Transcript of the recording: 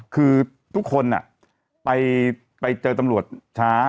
คือทุกคนไปเจอตำรวจช้า